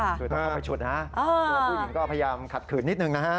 ตัวผู้หญิงก็พยายามขัดขืนนิดหนึ่งนะฮะ